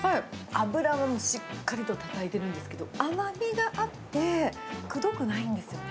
脂をしっかりとたたえてるんですけど、甘みがあって、くどくないんですよね。